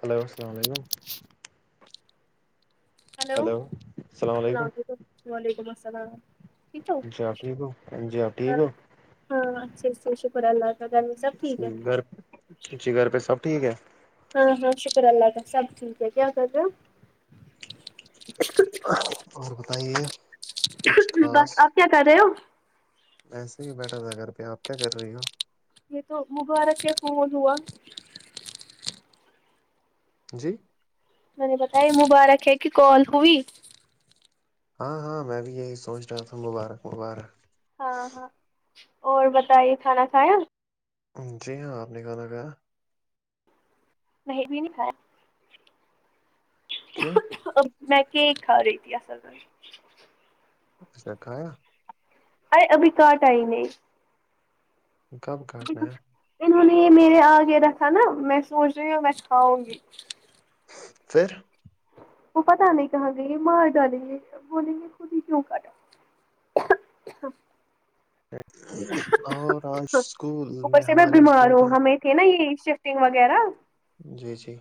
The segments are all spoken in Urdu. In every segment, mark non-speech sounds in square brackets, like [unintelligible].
ہلو السلام علیکم ہیلو السلام علیکم وعلیکم السلام ٹھیک ہو جی ٹھیک ہو جی ٹھیک ہو ہاں اچھے سے شکر اللہ کا گھر میں سب ٹھیک ہے گھر اچے گھر پہ سب ٹھیک ہے ہاں ہاں شکر اللہ کا سب ٹھیک ہے کیا کر رہےا اور بتائیے کچھ خاص بس آپ کیا کر رہے ہو ایسے ہی بیٹھا تھا گھر پہ آپ کیا کر رہی ہو یہ تو مبارک کیا فون ہوا جی مے نے پتا ہے مبارک ہے کہ کال ہوئی ہاں ہاں میں بھی یہی سوچ رہا تھا مبارک مبارک ہاں ہاں اور بتائیے کھانا کھایا جی ہاں آپ نے کھانا کھایا نہیں بھی نہیں ہےکھایا کیوں میں کیک کا رہی تھی اصل مے اچھا کھایا ا رے ابھی کہاٹایم ہے کب کھا نا ہے اننہوں نے یہ میرے آگے رکھا نا میں سوچ رہی ہوں میں کھاؤں گی پھر وہ پتہ نہیں کہاں گئی مار ڈالیں گے بولیں گے خود ہی کیوں کٹا [unintelligible] اور آج اسکول میں ہمارے استاد ت نا یہ شفٹنگ وغیرہ جی جی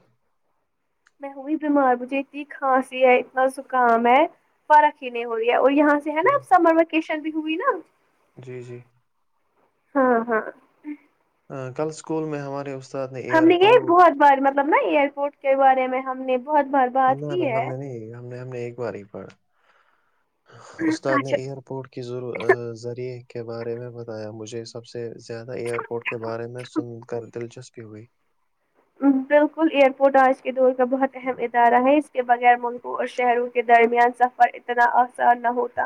میں ہئی بیمار بجھے اتنی کھانسی ہے اتنا زکام ہے فرق ہی نہیں ہو رہی ہے اور یہاں ہے نا اب سمر ویکیشن بھی ہوئی نا جی جی ہاں ہاں کل اسکول میں ہمارے استاد ہم نے یہ ایئرپورٹ بہت بار مطلب نا ایئر پورٹ کے بارے میں ہم نے بہت بار بات نہ کی نہ ہم ہے نے نہیں ہم نے ہم نے ایک بار ہی پڑھا استاد نے اچھا ایئرپورٹ کی ر ذریعے کے بارے میں بتایا مجھے اس سب سے زیادہ ایئر پورٹ کے بارے میں سن کر دلچسپی ہوئی بالکل ایئر پورٹ آج کے دور کا بہت اہم ادارہ ہے اس کے بغیر ملکوں اور شہروں کے درمیان سفر اتنا زیادہ ہوتا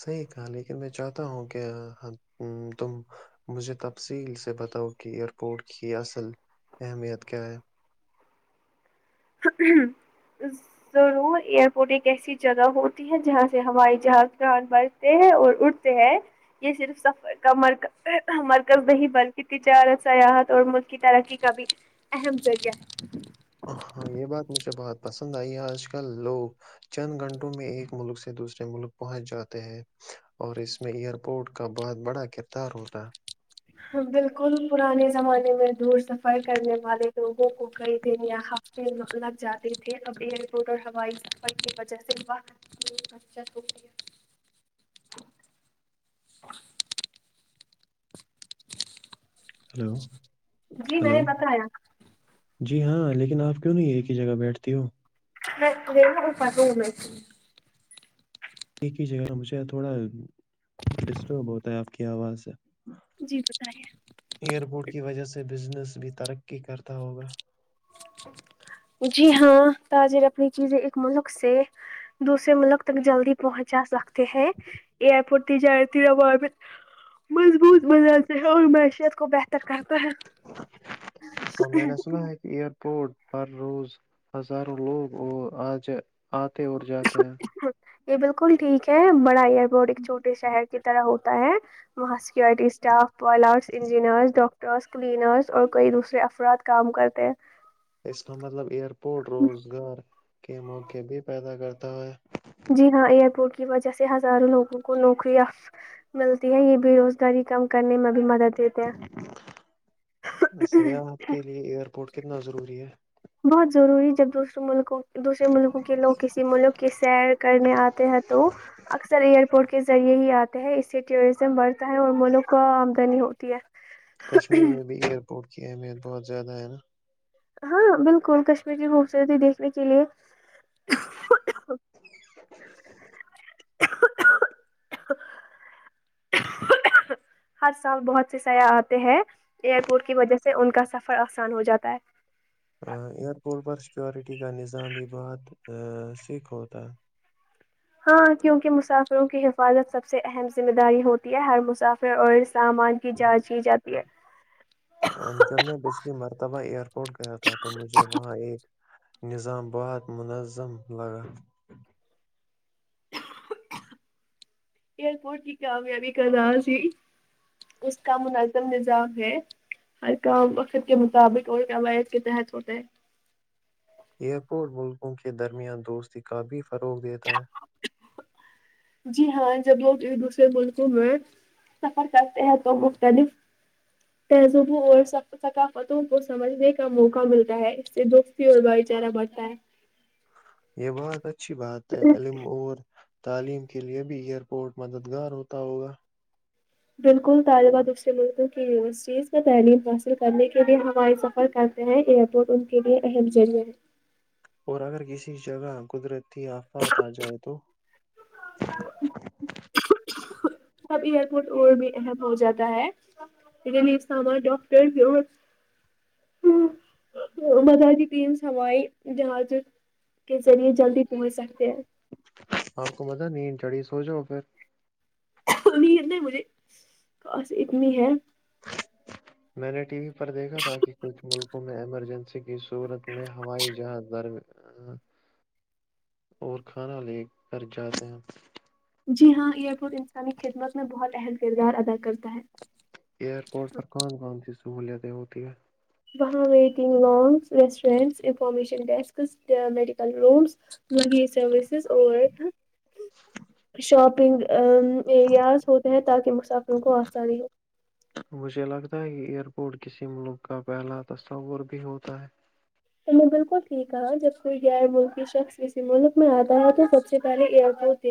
صحیح تھا لیکن میں چاہتا ہوں کہ تم مجھے تفصیل سے بتاؤ کہ ایئرپورٹ کی اصل اہمیت کیا ہے ضرور ایئرپورٹ کیسی جگہ ہوتی ہے جہاں سے ہماری جہاز ب اور اٹھتے ہیں یہ صرف سفر کا مر مرکز نہیں بلکہ تجارت سیاحت اور ملک کی ترقی کا بھی اہم ذریعہ ہے ہاں یہ بات مجھے بہت پسند آئی آج کل لوگ چند گھنٹوں میں ایک ملک سے دوسرے ملک پہنچ جاتے ہیں اور اس میں ایئر پورٹ کا بہت بڑا کردار ہوتا ہے بالکل پرانے زمانے میں دور سفر کرنے والے لوگوں کو کئی دن یہاں لگ جاتے تھے اب ایئرپورٹ اور ہوائی سفر کی وجہ سے بقت جی اچھا شکریہ ہلو ہے جی میں ہلو نے بتایا جی ہاں لیکن آپ کیوں نہیں ایک ہی جگہ بیٹھتی ہو نہیں روپ تو ہوولتی ایک ہی جگہ مجھے تھوڑا ڈسٹرب ہوتا ہے آپ کی آواز سے جی بتائیے ایئر پورٹ کی وجہ سے بزنس بھی ترقی کرتا ہوگا جی ہاں تاجر اپنی چیزیں ایک ملک سے دوسے ملک تک جلدی پہنچا سکتے ہیں ایئرپورٹ ت جتی مضبوط بنلتے ہیں اور معیشیت کو بہتر کرتا ہے ہ میں نے سنا ہے کہ ایئرپورٹ ہر روز ہزاروں لوگ وہ آ ج آتے اور جاتے ہیں یہ بالکل ٹھیک ہے بڑا ایئر بورٹ ایک چھوے شہر کی طرح ہو ہے وہاں سکورٹی اسٹاف وائل آرٹس انجینئر ڈاکٹر رس کلینرس اور کئی دوسرے افراد کام کرتے اس کا مطلب ایئر پورٹ روزگار کے موقعے بھی پیدا کرتا ہے جی ہاں ایئر پورٹ کی وجہ سے ہزاروں لوگوں کو نوکریاں ملتی ہے یہ بے روزگاری کم کرنے میں بھی مدد دیتے ہیں سیا آپ کے لیے ایئرپورٹ کتنا ضروری ہے بہت ضروری جب دوسرے ملکوں دوسرے ملکوں کے لوگ کسی ملک کی سیر کرنے آتے ہیں تو اکثر ایئرپورٹ کے ذریعے ہی آتے ہیں اسے ٹوریزم ورک ہو ہے اور مولوں کا آمدنی ہوتی ہے انکی اہمیت بہت زیادہ ہے نا ہاں بالکل کشمیر کی خوبصورتی دیکھنے کے لیے [unintelligible] [unintelligible] ہر سال بہت سے سیاح آتے ہیں ایئر پورٹ کی وجہ سے ان کا سفر آسان ہو جاتا ہے ایئر پورٹ پر سیکورٹی کا نظام بھی بہت سکھ ہوتا ہے ہاں کیونکہ مسافروں کی حفاظت سب سے اہم ذمہ داری ہوتی ہے ہر مسافر اور سامان کی جانچ کی جاتی ہے جب میں پچھلی مرتبہ ایئر پورٹ گیا تھا تو مجھے وہاں ایک [unintelligible] نظامباد منظم لگا [inaudible] ایئرپورٹ کی کامیابی کا راز یہ اس کا منظم نظام ہے ہر کام وقت کے مطابق اور کیاواعد کے تحت ہوتا ہے ایئر پورٹ ملکوں کے درمیان دوستی کا بھی فروغ دیتا ہے جی ہاں جب لوگ ایک دوسرے ملکوں میں سفر کرتے ہیں تو مختلف تہذوبوں اور ثقافتوں کو سمجھنے کا موقع ملتا ہے سے دوستی اور بھائی چارہ بڑتا ہے یہ بہت اچھی بات ہے علم تعلیم کے لیے بھی ایئرپورٹ مددگار ہوتا ہوگا بالکل طالبہ دوسرے ملکوں کی یونیورسٹیز میں تعلیم حاصل کرنے کے لیے ہمے سفر کا ایئرپورٹ ان کے لیے اہم ذریعہ ہے اور اگر کسی جگہ قدرتی آفات آ جائے تو [unintelligible] تو سب ایئر پورٹ اور بھی اہم ہو جاتا ہے [unintelligible] ڈاکٹر بھی [inaudible] [unintelligible] ہوائی جہاز کے ذریعے جلدی پہنچ سکتے ہیں آپ کو پتا ہے نیند چڑی سو جاو پھر نیند نہیں مجھے خاسی اتنی ہے میں نے ٹی وی پر دیکھا تھا کہ کچھ ملک ایمرجنسی کی صورت میں ہوائی جہاز در اور کھانا لے کر جاتے ہیں جی ہاں ایئر ب انسانی خدمت میں بہت اہم کردار ادا کرتا ہے ایئر پورٹ پر کون کون سی سہوولتیں ہوتی ہیں بہاں waiting lounges restaurants information desks medical rooms [unintelligible] اور شاپنگ ایریاز ہوتے ہیں تاکہ مسافروں کو آسانی ہو [unintelligible] مجھے لگتا ہے کہ ایئر پورٹ کسی ملک کا پہلا تصور بھی ہوتا ہے تو میں بالکل ٹھیک کہ جب کوئی غیر ملکی شخص کسی ملک میں آتا ہے تو سب سے پہلے ایئرپورٹ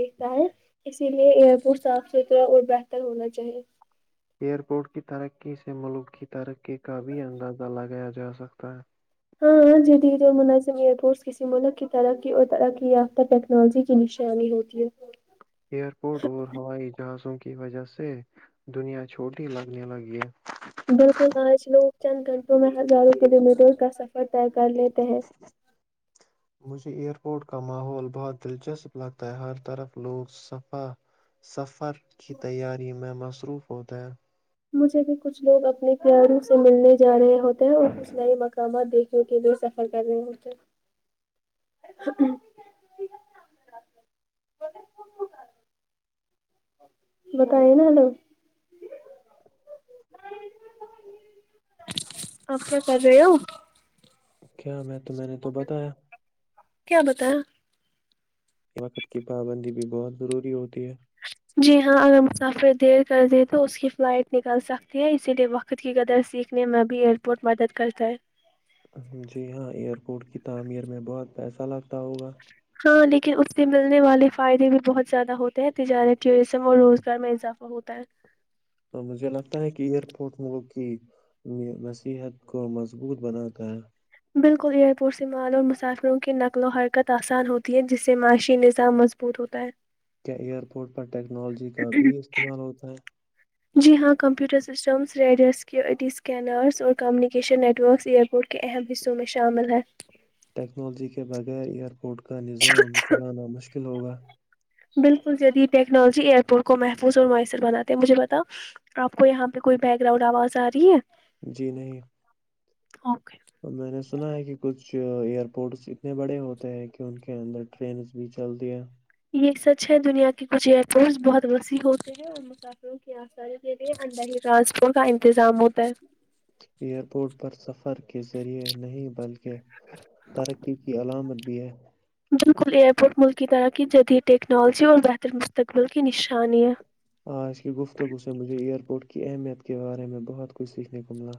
اسی لیے ایئر پٹ صاف ستھرا اور بہتر ہونا چاہیے ایئر پورٹ کی ترقی سے ملک کی ترقی کا بھی اندازہ لگایا جا سکتا ہے [inaudible] جو مناسم ایئرپورٹس کسی ملک کی ترقی اور ترقی یافتہ ٹیکنالوجی کی نشانانی ہوتی ہے ایئرپورٹ اور ہوائی جہازوں کے کی وجہ سے دنیا چھوٹی لگنے لگی ہے بالکل آج لوگ چند گھنٹوں میں ہزاروں کلو میٹر کا سفر طے کر لیتے ہیں [inaudible] مجھے ایئر پورٹ کا ماحول بہت دلچسپ لگتا ہے ہر طرف لوگ صفہ سفر کی تیاری میں مصروف ہوتا ہے مجھے بھی کچھ لوگ اپنے پیاروں سے ملنے جا رہے ہوتے ہیں اور نئے مقامات دیکھنے کے لیے سفر کر رہے ہوتے بتائے نا ہلو [inaudible] آپ کیا کر رہے ہو کیا میں تو میں نے تو بتایا کیا بتایا وقت کی پابندی بھی بہت ضروری ہوتی ہے جی ہاں اگر مسافر دیر کر دیں تو اس کی فلائٹ نکل سکتی ہے اسی لیے وقت خود کی قدر سیکھنے میں بھی ایئ بہٹ مدد کرتا ہے جی ہاں ایئرپورٹ کی تعمیر میں بہت پیسہ لگتا ہوگا ہاں لیکن اس سے ملنے والے فائدے بھی بہت زیادہ ہوتے ہیں تجارت ٹیوریزم اور روز گر میں اضافہ ہوتا ہے مجھے لگتا ہے کہ ائرپورٹ منگوگ کہ مصیحت کو مضبوط بناتا ہے بالکل ایئرپورٹ سے مال اور مسافروں کی نقل و حرکت آسان ہوتی ہے جس سے معاشی نظام مضبوط ہوتا ہے [inaudible] کیا ایئر پورٹ پر ٹیکنالوجی کا بھی استعمال ہوتا ہے جی ہاں کمپیوٹر سسٹمس ریڈرس کیئی ڈی اسکینرس اور communication net works year board کے اہم حصوں میں شامل ہیں ٹیکنالوجی کے بغیر ایئرپورٹ کا نظام چلانا مشکل ہوگا بالکل جدید ٹیکنالوجی ایئرپورٹ کو محفوظ اور میسر بناتے ہیں مجھے بتا آپ کو یہاں پہ کوئی بیک گراؤنڈ آواز آ رہی ہے جی نہیں اوکے اور میں نے سنا ہے کہ کچھ ایئر پورٹس اتنے بڑے ہوتے ہیں کہ ان کے اندر ٹرینس بھی چل دیا یہ سچ ہے دنیا کے کچھ ایئرپورٹس بہت وسیع ہوتے ہیں اور م کیوں کیا سرےے اندر ہی ٹرانسپورٹ کا انتظام ہوتا ہے ایئر پورٹ پر سفر کے ذریعے نہیں بلکہ ترقی کی علامت بھی ہے بالکل ایئر پورٹ ملک کی طرح کی جدید ٹیکنالوجی اور بہتر مستقبل کی نشانی ہے آج کی گفتگوز سے مجھے ایئر پورٹ کی اہمیت کے بارے میں بہت کچھ سیکھنے کو ملا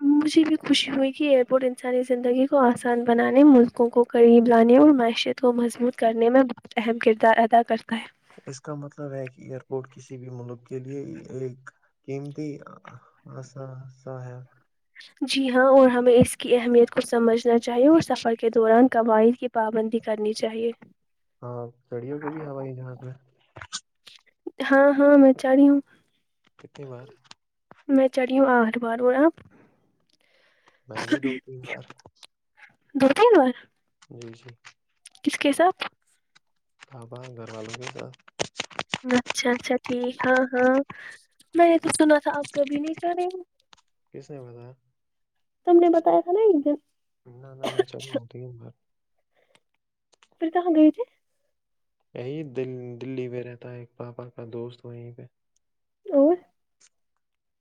مجھے بھی خوشی ہوئی کہ ایئرپورٹ انسانی زندگی کو آسان بنانے ملکوں کو قریب لانے اور معیشت کو مضبوط کرنے میں بہت اہم کردار ادا کرتا ہے اس کا مطلب ہے کہ ایئرپورٹ کسی بھی ملک کے لیے ایک کمتی سا ہے جی ہاں اور ہمیں اس کی اہمیت کو سمجھنا چاہیے اور سفر کے دوران قوائعد کے پابندی کرنی چاہیے ہاں سڑیوں کو بھی ہوا ہے جہاز پ میں ہاں ہاں میں چاہ رہی ہوں کتے بار میں چڑھی ہوں آٹھ بار اور آپ میں بھی دو تین بار دتا ن [unintelligible] جی جی کس کے ساتھ آپا گھر والوں بھی تھا اچھا اچھا ٹھیک ہاں ہاں میں نے تو سنا تھا آپ کبھی نہیں چڈین رہے کس نے بتایا تم نے بتایا تھا نا نہ نہ میں چڑھا ہوں تین بار پورھر کہاں گئییے تھے یہی دل دلی پہ رہتا ہے ایک پاپا کا دوست وہیں پہ اور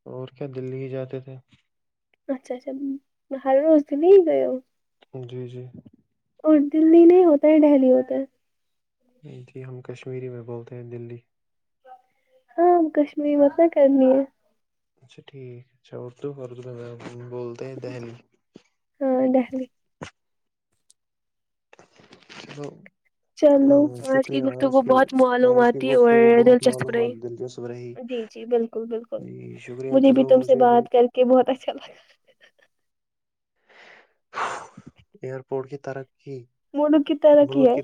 اور کیا دلی ہی جاتے تھے اچھا اچھا ہر روز دلی ہی گئے ہو جی جی اور دلی نہیں ہوتا ہے دہلی ہوتا ہے جی ہم کشمیری میں بولتے ہیں دلی ہام کشمیری مت کرنی ہے اچھا ٹھیک ہے اچھا اردو اردو میں بولتے ہیں دہلی ہاں دہلی تو چلو آج کی گفتگ کو بہت آج کی معلوماتتی گفتگو اور بہت دلچسپ معلومات رہی دلچسپ رہی جی جی بالکل بکل بالکل جی شکریہ مجھے بھی چلو تم سے مجھے بھی بات کر کے بہت اچھا لگا ائرپورٹ کی ترقی ملک کی ترقی ملک ہے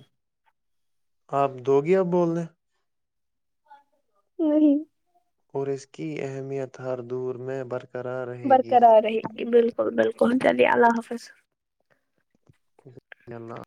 آپ دووگی اب بول نے نہیں اور اس کی اہمیت ہر دور میں بر برقرار رہء گی بالکل بالکل چلیے اللہ حافظ [unintelligible]